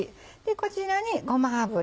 こちらにごま油。